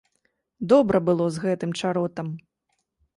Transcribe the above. Добра было з гэтым чаротам.